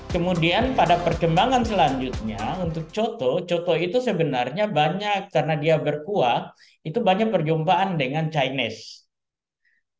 kalau itu sebenarnya banyak karena dia berkuah itu banyak perjumpaan dengan chinese